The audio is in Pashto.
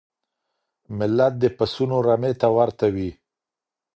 ملت د پسونو رمې ته ورته وي.